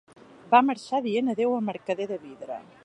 Va marxar dient adéu al mercader de vidre.